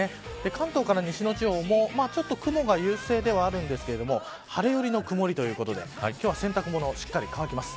関東から西の地方もちょっと雲が優勢ではあるんですが晴れ寄りの曇りということで今日は洗濯物しっかり乾きます。